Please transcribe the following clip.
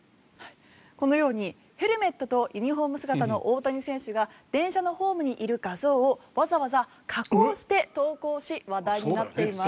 このようにヘルメットとユニホーム姿の大谷選手が電車のホームにいる画像をわざわざ加工して投稿し、話題になっています。